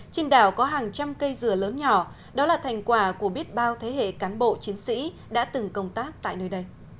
trên đảo có hàng trăm cây dừa lớn nhỏ đó là thành quả của biết bao thế hệ cán bộ chiến sĩ đã từng công tác tại nơi đây